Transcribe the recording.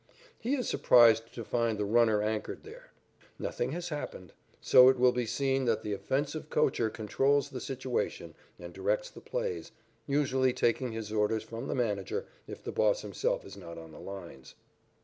He is surprised to find the runner anchored there. Nothing has happened. So it will be seen that the offensive coacher controls the situation and directs the plays, usually taking his orders from the manager, if the boss himself is not on the lines.